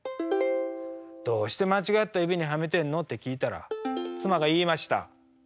どうして間違った指にはめてんの？って聞いたら妻が言いました。